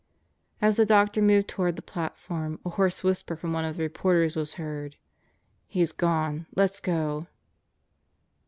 As the doctor moved toward the platform, a hoarse whisper from one of the reporters was heard: "He's gone. Let's go."